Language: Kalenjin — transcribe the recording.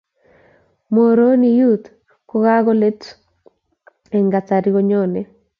Muhoroni youth kokoletu emn kasari konye